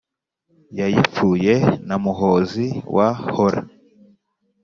Yayipfuye na Muhozi wa hora